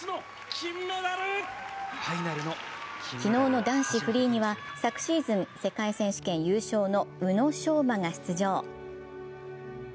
昨日の男子フリーには昨シーズン世界選手権優勝の宇野昌磨が出場。